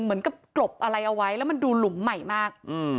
เหมือนกับกลบอะไรเอาไว้แล้วมันดูหลุมใหม่มาก